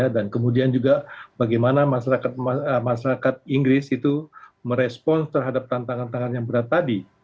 dan kemudian juga bagaimana masyarakat inggris itu merespon terhadap tantangan tantangan yang berat tadi